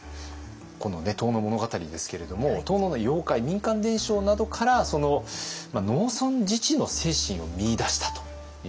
この「遠野物語」ですけれども遠野の妖怪民間伝承などから農村自治の精神を見いだしたという。